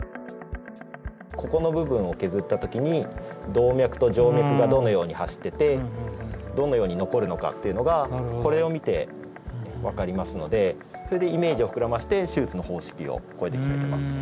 ここの部分を削った時に動脈と静脈がどのように走っててどのように残るのかっていうのがこれを見て分かりますのでそれでイメージを膨らませて手術の方式をこれで決めてます。